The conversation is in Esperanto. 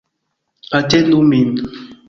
Atendu min!